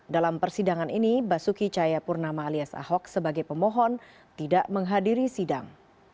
dalam persidangan ini basuki cahayapurnama alias ahok sebagai pemohon tidak menghadiri sidang